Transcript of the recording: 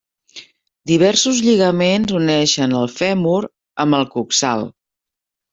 Diversos lligaments uneixen el fèmur amb el coxal.